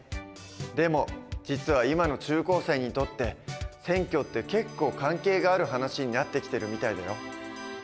でも実は今の中高生にとって選挙って結構関係がある話になってきてるみたいだよ。